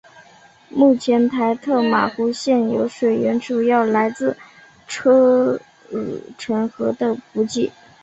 目前台特玛湖现有水源主要来自车尔臣河的补给。